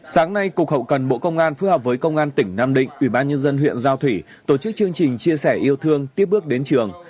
sáng nay cục hậu cần bộ công an phương hợp với công an tỉnh nam định ủy ban nhân dân huyện giao thủy tổ chức chương trình chia sẻ yêu thương tiếp bước đến trường